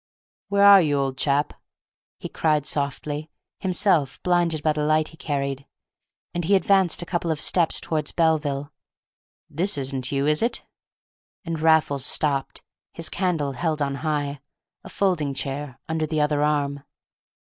"Where are you, old chap?" he cried, softly, himself blinded by the light he carried; and he advanced a couple of steps towards Belville. "This isn't you, is it?" And Raffles stopped, his candle held on high, a folding chair under the other arm.